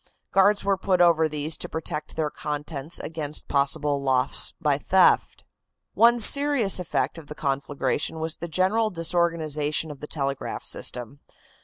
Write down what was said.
Guards were put over these to protect their contents against possible loss by theft. One serious effect of the conflagration was the general disorganization of the telegraph system.